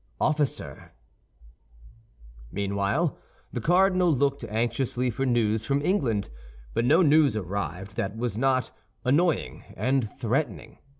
OFFICER Meanwhile, the cardinal looked anxiously for news from England; but no news arrived that was not annoying and threatening.